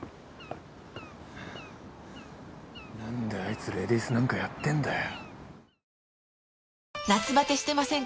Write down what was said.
何であいつレディースなんかやってんだよ。